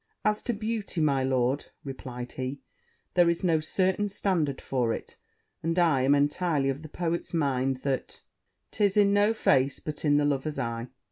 'As to beauty, my lord,' replied he, 'there is no certain standard for it; and I am entirely of the poet's mind, that "'Tis in no face, but in the lover's eye."